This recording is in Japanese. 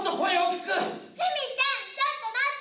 ちょっと待って！